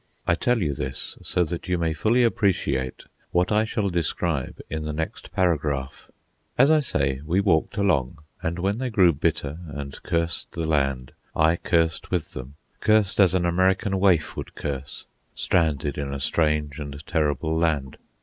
I tell you this so that you may fully appreciate what I shall describe in the next paragraph. As I say, we walked along, and when they grew bitter and cursed the land, I cursed with them, cursed as an American waif would curse, stranded in a strange and terrible land.